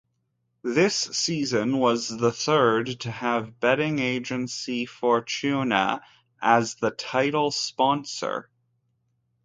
This season was the third to have betting agency Fortuna as the title sponsor.